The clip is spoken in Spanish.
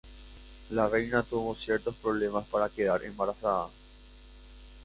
La reina tuvo ciertos problemas para quedar embarazada.